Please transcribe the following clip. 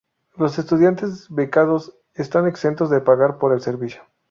Los estudiantes becados están exentos de pagar por el servicio.